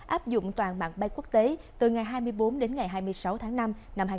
áp dụng toàn mạng bay quốc tế từ ngày hai mươi bốn đến ngày hai mươi sáu tháng năm năm hai nghìn hai mươi bốn